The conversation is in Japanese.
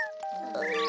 ああ。